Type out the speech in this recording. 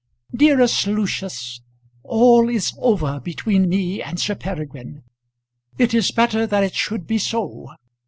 DEAREST LUCIUS, All is over between me and Sir Peregrine. It is better that it should be so.